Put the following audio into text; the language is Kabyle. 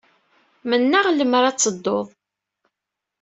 Mennaɣ lemmer ad teddud.